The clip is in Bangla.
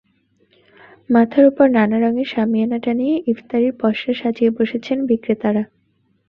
মাথার ওপর নানা রঙের শামিয়ানা টানিয়ে ইফতারির পসরা সাজিয়ে বসেছেন বিক্রেতারা।